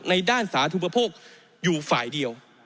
ด้านสาธุปโภคอยู่ฝ่ายเดียว